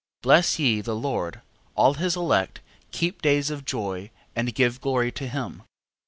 13:10. Bless ye the Lord, all his elect, keep days of joy, and give glory to him.